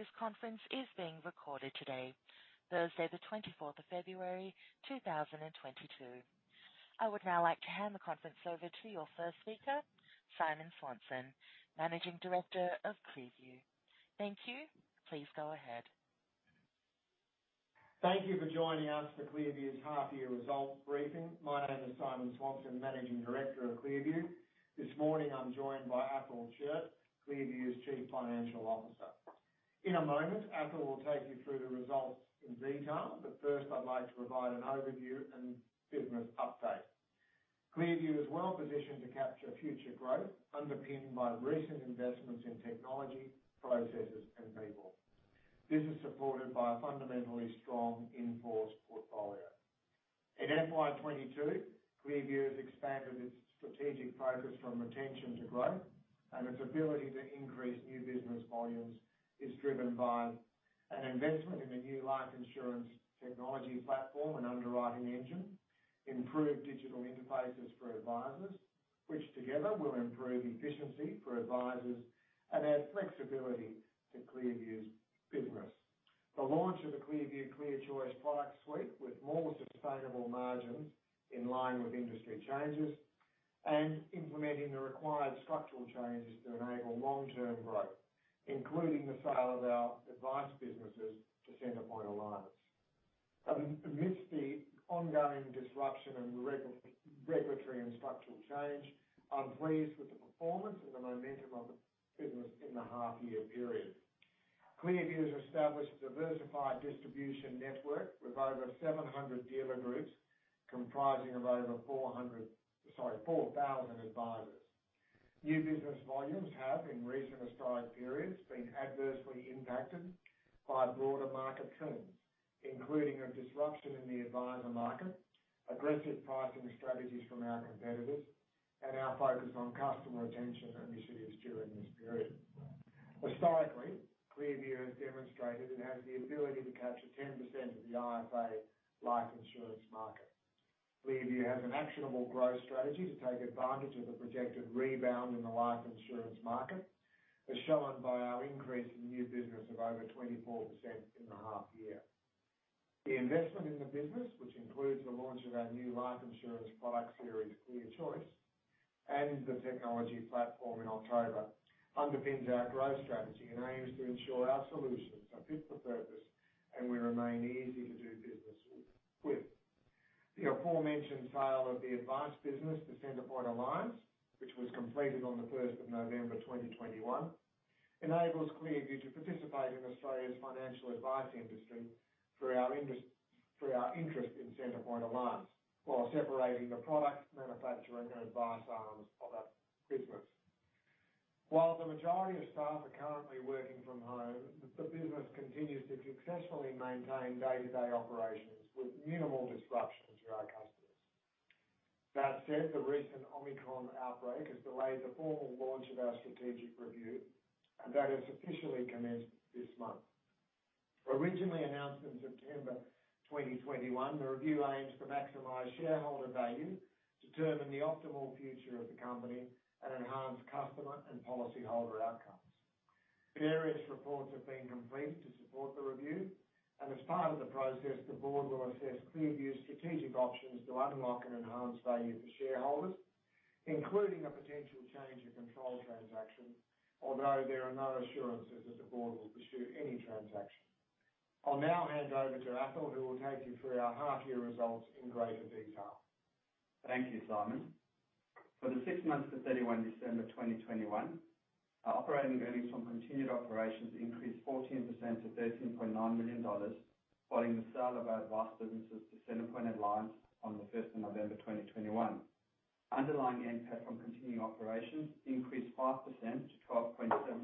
Please be advised that this conference is being recorded today, Thursday the 24th of February, 2022. I would now like to hand the conference over to your first speaker, Simon Swanson, Managing Director of ClearView. Thank you. Please go ahead. Thank you for joining us for ClearView's half year results briefing. My name is Simon Swanson, Managing Director of ClearView. This morning I'm joined by Athol Chiert, ClearView's Chief Financial Officer. In a moment, Athol will take you through the results in detail, but first I'd like to provide an overview and business update. ClearView is well positioned to capture future growth, underpinned by recent investments in technology, processes and people. This is supported by a fundamentally strong in-force portfolio. In FY 2022, ClearView has expanded its strategic focus from retention to growth, and its ability to increase new business volumes is driven by an investment in the new life insurance technology platform and underwriting engine, improved digital interfaces for advisors, which together will improve efficiency for advisors and add flexibility to ClearView's business. The launch of the ClearView ClearChoice product suite, with more sustainable margins in line with industry changes, and implementing the required structural changes to enable long-term growth, including the sale of our advice businesses to Centrepoint Alliance. Amidst the ongoing disruption and regulatory and structural change, I'm pleased with the performance and the momentum of the business in the half year period. ClearView has established a diversified distribution network with over 700 dealer groups, comprising of over 4,000 advisors. New business volumes have, in recent historic periods, been adversely impacted by broader market trends, including a disruption in the advisor market, aggressive pricing strategies from our competitors, and our focus on customer retention initiatives during this period. Historically, ClearView has demonstrated it has the ability to capture 10% of the IFA life insurance market. ClearView has an actionable growth strategy to take advantage of the projected rebound in the life insurance market, as shown by our increase in new business of over 24% in the half year. The investment in the business, which includes the launch of our new life insurance product series, ClearChoice, and the technology platform in October, underpins our growth strategy and aims to ensure our solutions are fit for purpose and we remain easy to do business with. The aforementioned sale of the advice business to Centrepoint Alliance, which was completed on the first of November 2021, enables ClearView to participate in Australia's financial advice industry through our interest in Centrepoint Alliance while separating the product manufacturing and advice arms of our business. While the majority of staff are currently working from home, the business continues to successfully maintain day-to-day operations with minimal disruption to our customers. That said, the recent Omicron outbreak has delayed the formal launch of our strategic review, and that has officially commenced this month. Originally announced in September 2021, the review aims to maximize shareholder value, determine the optimal future of the company, and enhance customer and policyholder outcomes. Various reports have been completed to support the review, and as part of the process, the board will assess ClearView's strategic options to unlock and enhance value for shareholders, including a potential change of control transaction. Although there are no assurances that the board will pursue any transaction. I'll now hand over to Athol, who will take you through our half year results in greater detail. Thank you, Simon. For the six months to 31 December 2021, our operating earnings from continued operations increased 14% to 13.9 million dollars following the sale of our advice businesses to Centrepoint Alliance on 1 November 2021. Underlying NPAT from continuing operations increased 5% to 12.7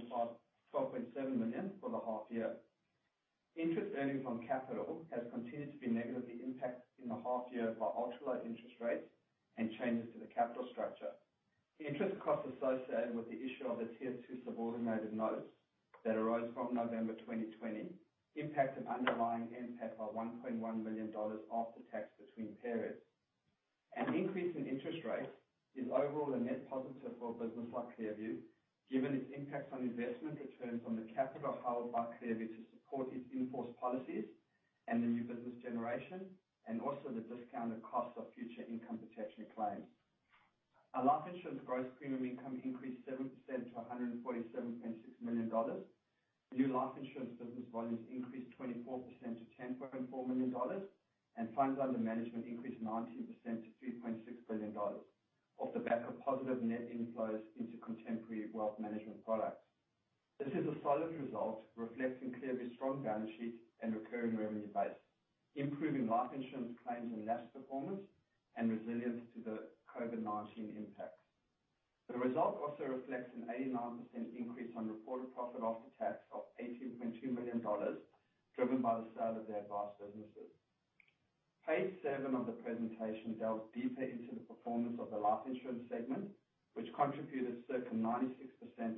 million for the half year. Interest earnings from capital has continued to be negatively impacted in the half year by ultra low interest rates and changes to the capital structure. The interest costs associated with the issue of the Tier two subordinated notes that arose from November 2020 impacted underlying NPAT by AUD 1.1 million after tax between periods. An increase in interest rates is overall a net positive for a business like ClearView, given its impacts on investment returns on the capital held by ClearView to support its in-force policies and the new business generation, and also the discounted cost of future income protection claims. Our life insurance gross premium income increased 7% to 147.6 million dollars. New life insurance business volumes increased 24% to 10.4 million dollars. Funds under management increased 19% to 3.6 billion dollars off the back of positive net inflows into contemporary wealth management products. This is a solid result reflecting ClearView's strong balance sheet and recurring revenue base, improving life insurance claims and NAS performance and resilience to the COVID-19 impacts. The result also reflects an 89% increase on reported profit after tax of 18.2 million dollars, driven by the sale of the advice businesses. Page seven of the presentation delves deeper into the performance of the life insurance segment, which contributed circa 96%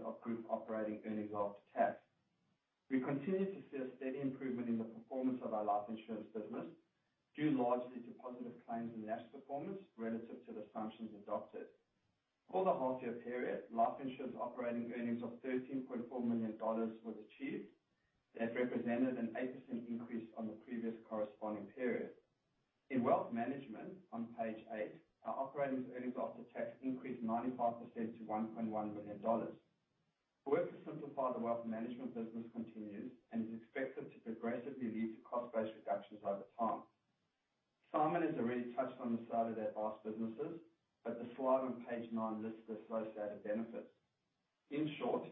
of group operating earnings after tax. We continue to see a steady improvement in the performance of our life insurance business, due largely to positive claims and NAS performance relative to the assumptions adopted. For the half year period, life insurance operating earnings of 13.4 million dollars was achieved. That represented an 8% increase on the previous corresponding period. In wealth management, on page eight, our operating earnings after tax increased 95% to 1.1 million dollars. The work to simplify the wealth management business continues and is expected to progressively lead to cost base reductions over time. Simon has already touched on the sale of their advice businesses, but the slide on page nine lists the associated benefits. In short,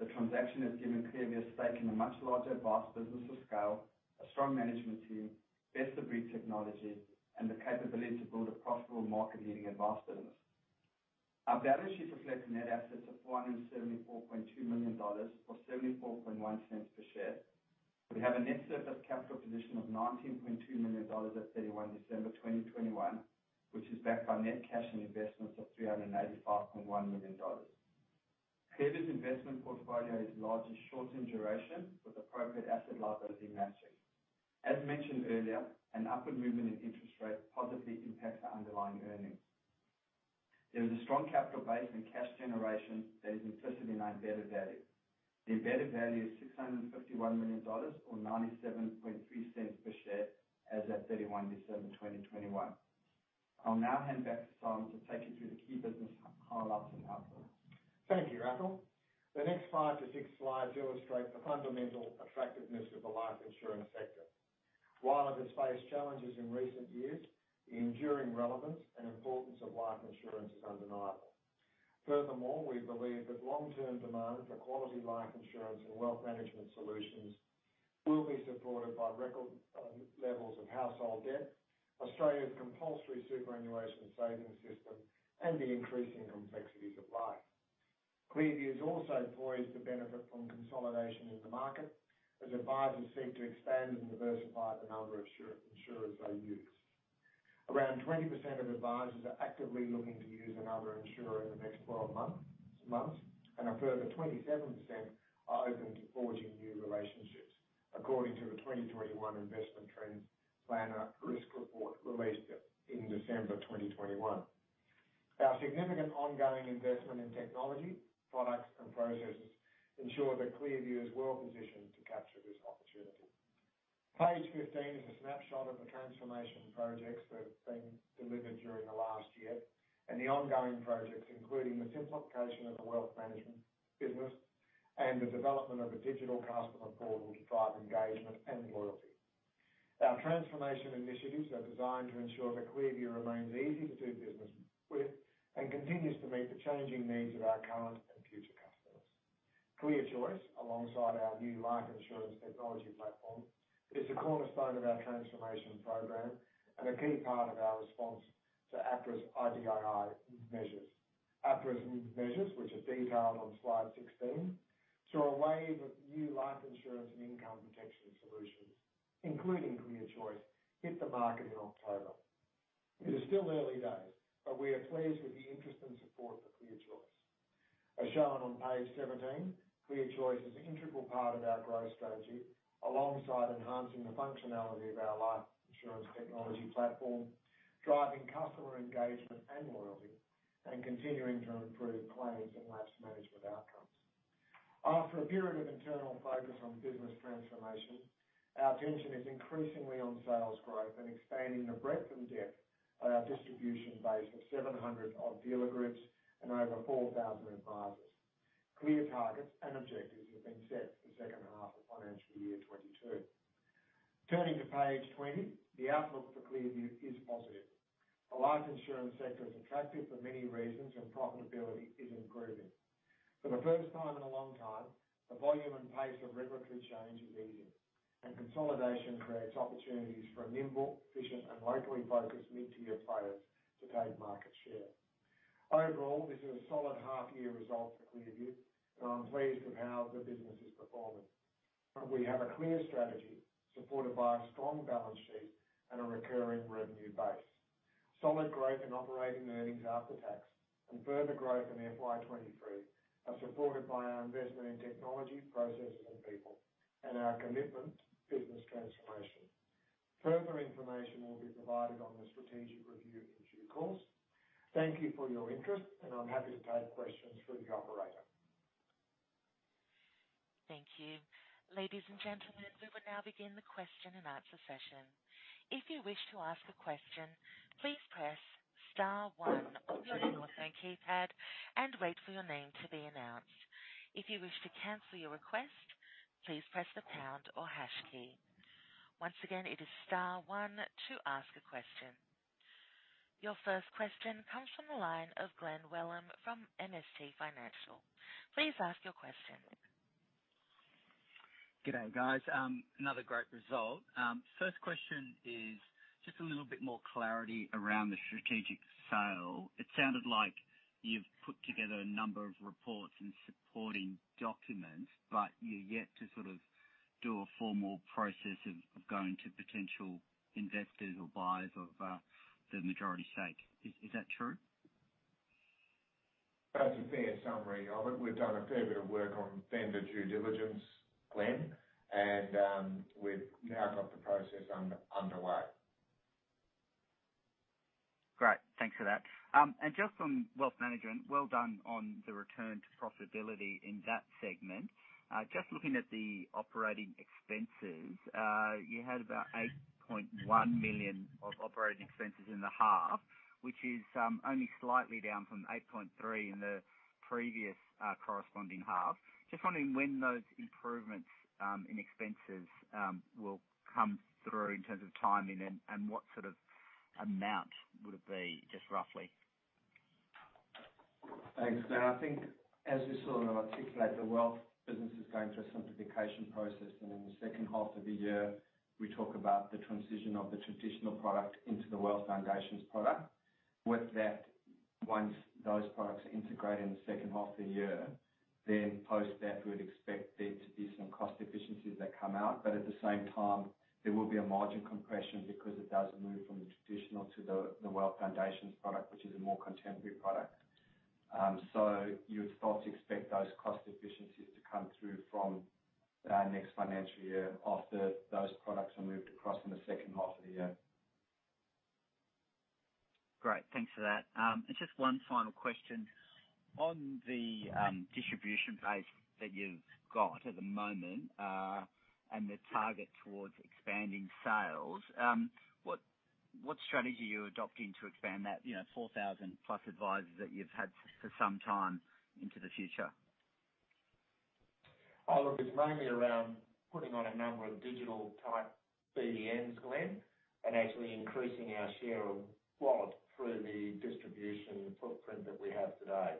the transaction has given ClearView a stake in a much larger advice business with scale, a strong management team, best-of-breed technology, and the capability to build a profitable market-leading advice business. Our balance sheet reflects net assets of 474.2 million dollars or 0.741 per share. We have a net surplus capital position of 19.2 million dollars at 31 December 2021, which is backed by net cash and investments of 385.1 million dollars. ClearView's investment portfolio is large and short in duration with appropriate asset liability matching. As mentioned earlier, an upward movement in interest rates positively impacts our underlying earnings. There is a strong capital base and cash generation that is implicit in our embedded value. The embedded value is 651 million dollars or 0.973 per share as at 31 December 2021. I'll now hand back to Simon to take you through the key business highlights and outlook. Thank you, Athol. The next five to six slides illustrate the fundamental attractiveness of the life insurance sector. While it has faced challenges in recent years, the enduring relevance and importance of life insurance is undeniable. Furthermore, we believe that long-term demand for quality life insurance and wealth management solutions will be supported by record levels of household debt, Australia's compulsory superannuation savings system, and the increasing complexities of life. ClearView is also poised to benefit from consolidation in the market as advisers seek to expand and diversify the number of insurers they use. Around 20% of advisers are actively looking to use another insurer in the next 12 months, and a further 27% are open to forging new relationships, according to the 2021 Investment Trends Planner Risk Report released in December 2021. Our significant ongoing investment in technology, products, and processes ensure that ClearView is well positioned to capture this opportunity. Page 15 is a snapshot of the transformation projects that have been delivered during the last year and the ongoing projects, including the simplification of the wealth management business and the development of a digital customer portal to drive engagement and loyalty. Our transformation initiatives are designed to ensure that ClearView remains easy to do business with and continues to meet the changing needs of our current and future customers. ClearChoice, alongside our new life insurance technology platform, is the cornerstone of our transformation program and a key part of our response to APRA's IDII measures. APRA's measures, which are detailed on slide 16, saw a wave of new life insurance and income protection solutions, including ClearChoice, hit the market in October. It is still early days, but we are pleased with the interest and support for ClearChoice. As shown on page 17, ClearChoice is an integral part of our growth strategy, alongside enhancing the functionality of our life insurance technology platform, driving customer engagement and loyalty, and continuing to improve claims and lapse management outcomes. After a period of internal focus on business transformation, our attention is increasingly on sales growth and expanding the breadth and depth of our distribution base of 700 odd dealer groups and over 4,000 advisers. Clear targets and objectives have been set for the second half of financial year 2022. Turning to page 20, the outlook for ClearView is positive. The life insurance sector is attractive for many reasons and profitability is improving. For the first time in a long time, the volume and pace of regulatory change is easing, and consolidation creates opportunities for a nimble, efficient, and locally focused mid-tier player to gain market share. Overall, this is a solid half year result for ClearView, and I'm pleased with how the business is performing. We have a clear strategy supported by a strong balance sheet and a recurring revenue base. Solid growth in operating earnings after tax and further growth in FY 2023 are supported by our investment in technology, processes, and people, and our commitment to business transformation. Further information will be provided on the strategic review in due course. Thank you for your interest, and I'm happy to take questions through the operator. Thank you. Ladies and gentlemen, we will now begin the question and answer session. If you wish to ask a question, please press star one on your telephone keypad and wait for your name to be announced. If you wish to cancel your request, please press the pound or hash key. Once again, it is star one to ask a question. Your first question comes from the line of Glen Wellham from MST Financial. Please ask your question. G'day, guys. Another great result. First question is just a little bit more clarity around the strategic sale. It sounded like you've put together a number of reports and supporting documents, but you're yet to sort of do a formal process of going to potential investors or buyers of the majority stake. Is that true? That's a fair summary of it. We've done a fair bit of work on Vendor due diligence, Glen, and we've now got the process underway. Great. Thanks for that. Just on Wealth Management, well done on the return to profitability in that segment. Just looking at the operating expenses, you had about 8.1 million of operating expenses in the half, which is only slightly down from 8.3 million in the previous corresponding half. Just wondering when those improvements in expenses will come through in terms of timing and what sort of amount would it be, just roughly? Thanks, Glen. I think as we sort of articulate, the wealth business is going through a simplification process. In the second half of the year, we talk about the transition of the traditional product into the WealthFoundations product. With that, once those products are integrated in the second half of the year, then post that, we would expect there to be some cost efficiencies that come out. At the same time, there will be a margin compression because it does move from the traditional to the WealthFoundations product, which is a more contemporary product. You would start to expect those cost efficiencies to come through from our next financial year after those products are moved across in the second half of the year. Great, thanks for that. Just one final question. On the distribution base that you've got at the moment, and the target towards expanding sales, what strategy are you adopting to expand that, you know, 4,000+ advisors that you've had for some time into the future? Oh, look, it's mainly around putting on a number of digital type BDMs, Glen, and actually increasing our share of wallet through the distribution footprint that we have today.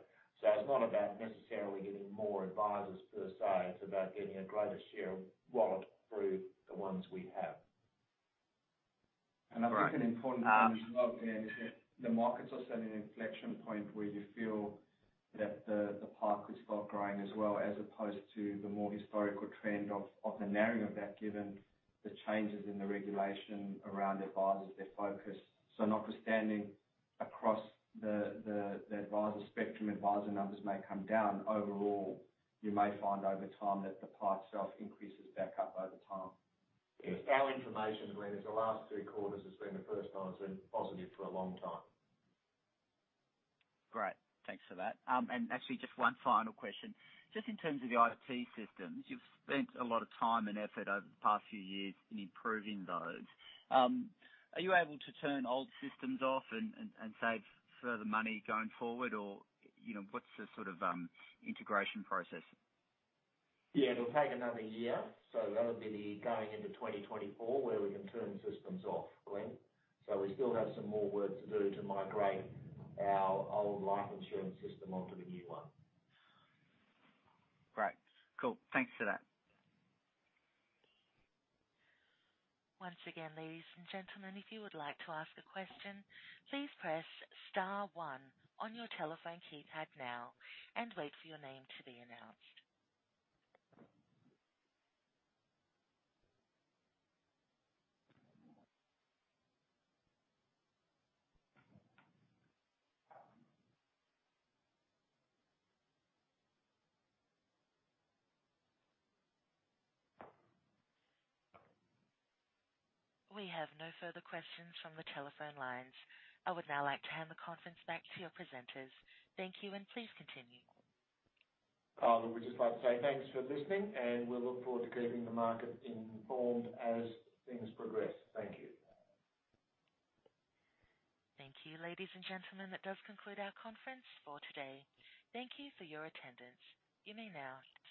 It's not about necessarily getting more advisors per se, it's about getting a greater share of wallet through the ones we have. Great. I think an important thing as well, Glen, is that the markets are set at an inflection point where you feel that the pie could start growing as well, as opposed to the more historical trend of the narrowing of that, given the changes in the regulation around advisors, their focus. Notwithstanding across the advisor spectrum, advisor numbers may come down. Overall, you may find over time that the pie itself increases back up over time. Yes. Our information, Glen, is the last three quarters has been the first time it's been positive for a long time. Great, thanks for that. Actually, just one final question. Just in terms of the IT systems, you've spent a lot of time and effort over the past few years in improving those. Are you able to turn old systems off and save further money going forward or, you know, what's the sort of integration process? Yeah, it'll take another year, so that'll be going into 2024 where we can turn systems off, Glenn. We still have some more work to do to migrate our old life insurance system onto the new one. Great. Cool. Thanks for that. Once again, ladies and gentlemen, if you would like to ask a question, please press star one on your telephone keypad now and wait for your name to be announced. We have no further questions from the telephone lines. I would now like to hand the conference back to your presenters. Thank you, and please continue. Oh, look, we'd just like to say thanks for listening, and we'll look forward to keeping the market informed as things progress. Thank you. Thank you, ladies and gentlemen. That does conclude our conference for today. Thank you for your attendance. You may now disconnect.